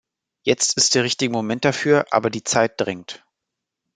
Jetzt ist der richtige Moment dafür, aber die Zeit drängt.